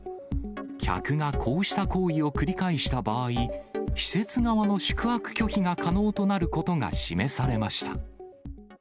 客がこうした行為を繰り返した場合、施設側の宿泊拒否が可能となることが示されました。